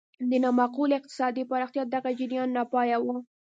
د نامعقولې اقتصادي پراختیا دغه جریان ناپایه و.